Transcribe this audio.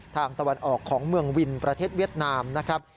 ตะวันออกของเมืองวินประเทศเวียดนามนะครับ